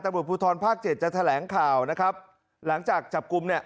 ตำรวจภูทรภาคเจ็ดจะแถลงข่าวนะครับหลังจากจับกลุ่มเนี่ย